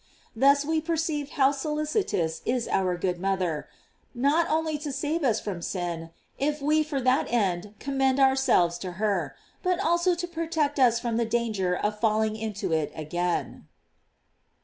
Thus we per ceive how solicitous is our good mother, not only to save us from sin, if we for that end commend ourselves to her, but also to protect us from the danger of falling into it again.